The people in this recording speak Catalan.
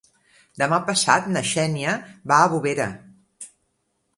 Demà passat na Xènia va a Bovera.